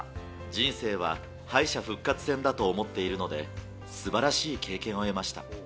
人生は敗者復活戦だと思っているので、すばらしい経験を得ました。